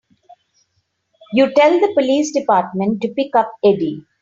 You tell the police department to pick up Eddie.